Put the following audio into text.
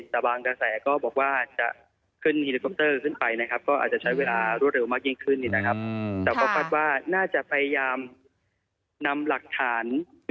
สะวางกระแสบอกว่าจะขึ้นเฮียลโกปเตอร์ขึ้นไปนะครับ